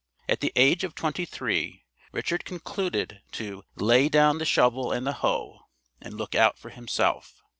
At the age of twenty three Richard concluded to "lay down the shovel and the hoe," and look out for himself.